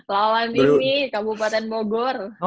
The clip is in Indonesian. lawan ini kabupaten bogor